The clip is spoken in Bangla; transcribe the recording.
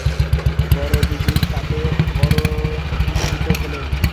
বড়দিদি তাতে বড়ো নিশ্চিন্ত হলেন।